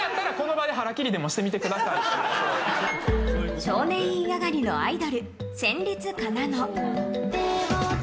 少年院上がりのアイドル戦慄かなの。